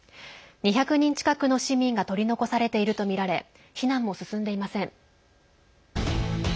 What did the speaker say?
２００人近くの市民が取り残されているとみられ避難も進んでいません。